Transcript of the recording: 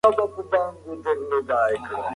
خیر محمد ته د نانوایۍ تودوخه د یو لوی نعمت په څېر وه.